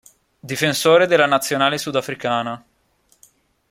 Difensore della nazionale sudafricana.